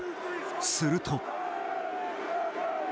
すると。